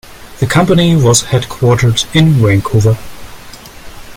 The company was headquartered in Vancouver.